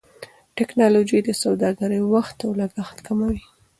ټکنالوژي د سوداګرۍ وخت او لګښت کموي.